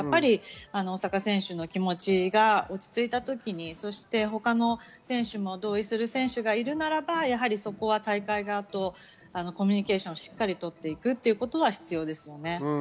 大坂選手の気持ちが落ち着いた時に他の選手も同意する選手がいるならば大会側とコミュニケーションをしっかり取っていくということが必要です。